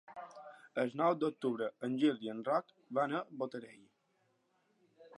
El nou d'octubre en Gil i en Roc van a Botarell.